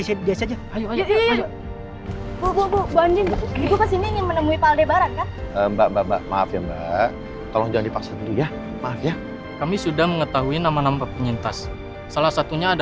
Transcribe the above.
sampai jumpa di video selanjutnya